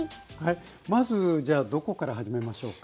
まずじゃあどこから始めましょうか。